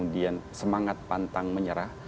dia sangat pantang menyerah